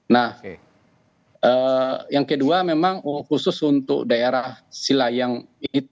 nah yang kedua memang khusus untuk daerah sila yang berada di sumatera barat